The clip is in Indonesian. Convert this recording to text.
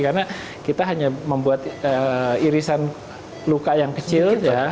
karena kita hanya membuat irisan luka yang kecil ya